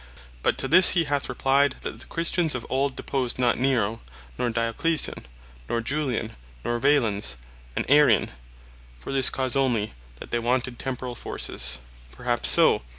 But to this he hath replyed, that the Christians of old, deposed not Nero, nor Diocletian, nor Julian, nor Valens an Arrian, for this cause onely, that they wanted Temporall forces. Perhaps so.